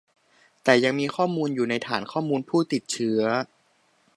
แต่ยังมีข้อมูลอยู่ในฐานข้อมูลผู้ติดเชื้อ